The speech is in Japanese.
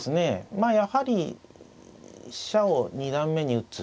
まあやはり飛車を二段目に打つ。